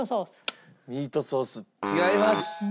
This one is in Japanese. ミートソース違います。